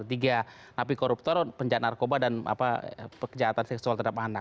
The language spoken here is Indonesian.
tiga napi koruptor penjahat narkoba dan kejahatan seksual terhadap anak